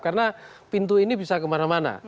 karena pintu ini bisa kemana mana